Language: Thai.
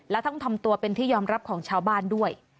และต้องทำตัวเป็นที่ยอมรับของชาวบ้านด้วย